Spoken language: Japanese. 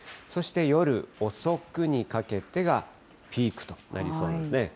そして夜遅くにかけてがピークとなりそうなんですね。